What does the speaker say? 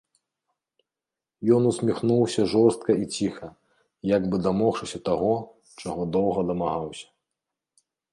Ён усміхнуўся жорстка і ціха, як бы дамогшыся таго, чаго доўга дамагаўся.